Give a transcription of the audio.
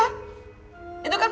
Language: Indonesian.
itu kan bukan urusan ibu